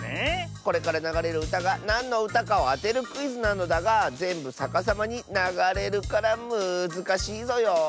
これからながれるうたがなんのうたかをあてるクイズなのだがぜんぶさかさまにながれるからむずかしいぞよ。